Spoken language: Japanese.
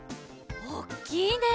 おっきいね！